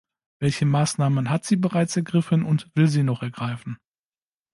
Welche Maßnahmen hat sie bereits ergriffen und will sie noch ergreifen?